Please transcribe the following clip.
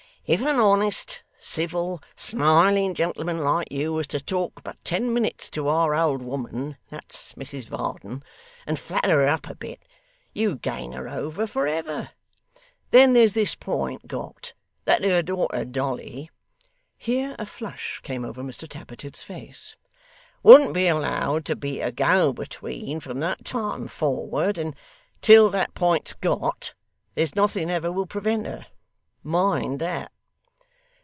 If an honest, civil, smiling gentleman like you, was to talk but ten minutes to our old woman that's Mrs Varden and flatter her up a bit, you'd gain her over for ever. Then there's this point got that her daughter Dolly,' here a flush came over Mr Tappertit's face 'wouldn't be allowed to be a go between from that time forward; and till that point's got, there's nothing ever will prevent her. Mind that.